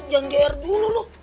lu jangan jahat dulu loh